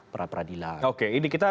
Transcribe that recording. perapradilan oke ini kita